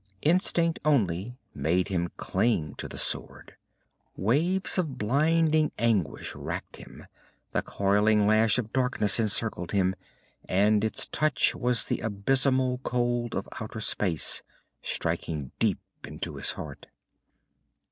Instinct only made him cling to the sword. Waves of blinding anguish racked him. The coiling lash of darkness encircled him, and its touch was the abysmal cold of outer space, striking deep into his heart.